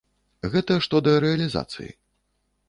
Гэта што да рэалізацыі.